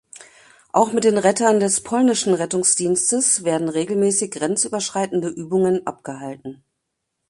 Auch mit den Rettern des polnischen Rettungsdienstes werden regelmäßig grenzüberschreitende Übungen abgehalten.